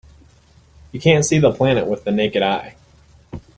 You can't see the planet with the naked eye.